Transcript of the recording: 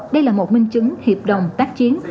đây là một minh chứng hiệp đồng tác chiến